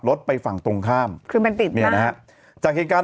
รถไปฝั่งตรงข้ามคือมันติดมากเนี้ยนะฮะจากเครย์การ